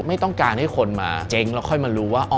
ไม่ต้องการให้คนมาเจ๊งแล้วค่อยมารู้ว่า